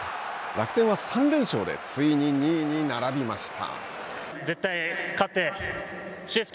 楽天は３連勝でついに２位に並びました。